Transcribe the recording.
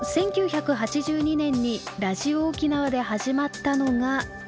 １９８２年にラジオ沖縄で始まったのが。